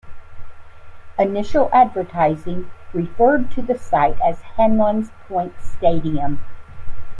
Initial advertising referred to the site as Hanlan's Point Stadium.